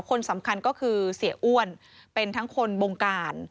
คนสำคัญก็คือเสียอ้วนเป็นทั้งคนบงการ